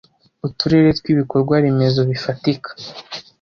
uturere tw ibikorwa remezo bifatika